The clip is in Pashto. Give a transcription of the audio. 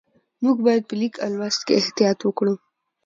موږ باید په لیک او لوست کې احتیاط وکړو